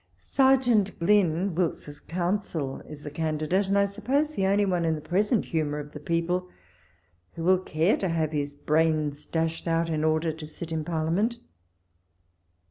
Sergeant Glynn, Wilkes's counsel, is the candidate, and I suppose the only one in the present humour of the people, who will care to have his brains dashed out, in order to sit in Parliament.